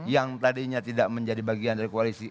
yang tadinya tidak menjadi bagian dari koalisi